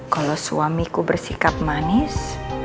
kalau suamiku bersikap manis